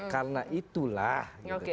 karena itulah gitu